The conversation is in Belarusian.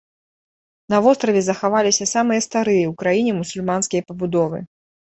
На востраве захаваліся самыя старыя ў краіне мусульманскія пабудовы.